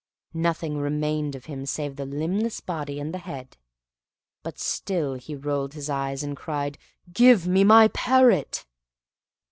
Nothing remained of him save the limbless body and the head; but still he rolled his eyes, and cried "Give me my parrot!"